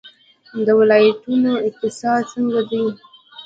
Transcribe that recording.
د ولایتونو اقتصاد څنګه دی؟